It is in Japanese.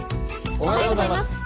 おはようございます。